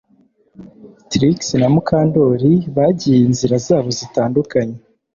Trix na Mukandoli bagiye inzira zabo zitandukanye